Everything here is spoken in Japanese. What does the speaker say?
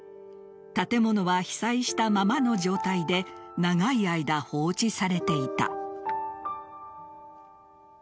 建物は被災したままの状態で長い間、放置されていた。